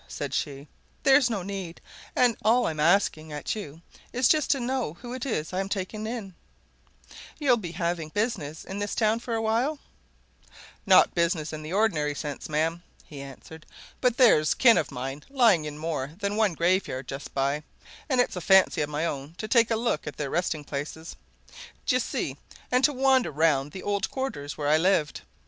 said she. "There's no need. And all I'm asking at you is just to know who it is I'm taking in. You'll be having business in the town for a while?" "Not business in the ordinary sense, ma'am," he answered. "But there's kin of mine lying in more than one graveyard just by, and it's a fancy of my own to take a look at their resting places, d'ye see, and to wander round the old quarters where they lived.